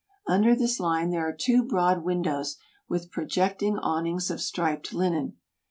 Under this line there are two broad windows with projecting awnings of striped linen.